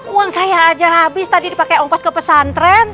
uang saya aja habis tadi dipakai ongkos ke pesantren